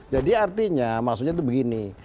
jadi artinya maksudnya tuh begini